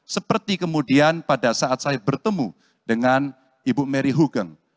seperti kemudian pada saat saya bertemu dengan ibu mary hugeng